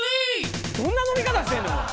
どんな飲み方してんねん。